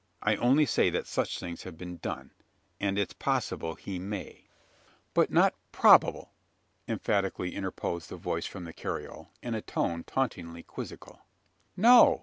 I only say that such things have been done; and it's possible he may." "But not probable," emphatically interposed the voice from the carriole, in a tone tauntingly quizzical. "No!"